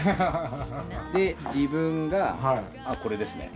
で自分がこれですね。